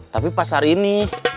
tapi pasar ini